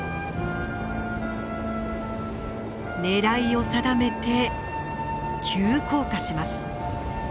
狙いを定めて急降下します。